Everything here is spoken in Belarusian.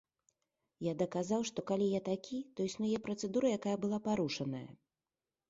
Я даказаў, што калі я такі, то існуе працэдура, якая была парушаная.